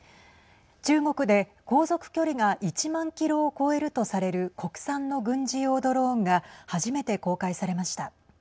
中国で航続距離が１万キロを超えるとされる国産の軍事用ドローンが初めて公開されました。